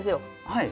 はい。